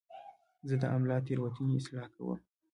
زه د املا تېروتنې اصلاح کوم.